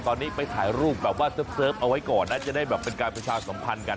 ตอนนี้ไปถ่ายรูปแบบว่าเซิร์ฟเอาไว้ก่อนนะจะได้แบบเป็นการประชาสัมพันธ์กัน